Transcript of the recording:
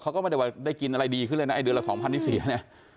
เขาก็ไม่ได้ว่าได้กินอะไรดีขึ้นเลยนะไอเดือนละสองพันที่เสียเนี่ย